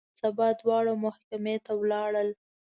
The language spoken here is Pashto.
سبا دواړه محکمې ته ولاړل.